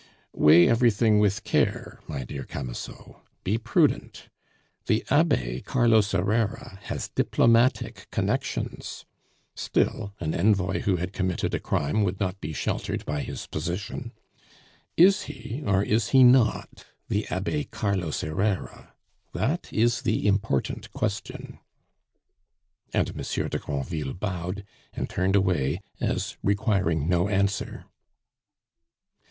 "Weigh everything with care, my dear Camusot. Be prudent. The Abbe Carlos Herrera has diplomatic connections; still, an envoy who had committed a crime would not be sheltered by his position. Is he or is he not the Abbe Carlos Herrera? That is the important question." And Monsieur de Granville bowed, and turned away, as requiring no answer.